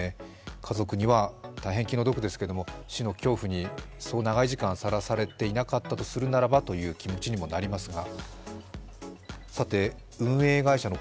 家族には大変気の毒ですけれども死の恐怖に、そう長い時間さらされていなかったとするならばという気持ちにもなりますが。